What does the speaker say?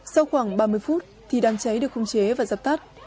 sau khoảng ba mươi phút thì đám cháy được không chế và dập tắt